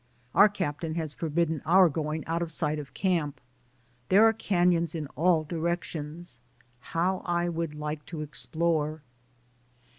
Our captain has forbidden our going out of sight of camp. There are canons in all di rections; how I would like to explore.